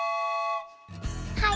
はい。